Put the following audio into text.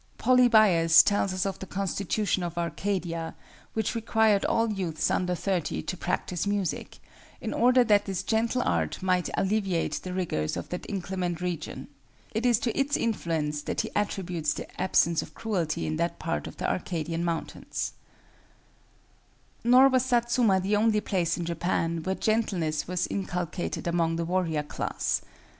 Polybius tells us of the Constitution of Arcadia, which required all youths under thirty to practice music, in order that this gentle art might alleviate the rigors of that inclement region. It is to its influence that he attributes the absence of cruelty in that part of the Arcadian mountains. [Footnote 9: A musical instrument, resembling the guitar.] Nor was Satsuma the only place in Japan where gentleness was inculcated among the warrior class.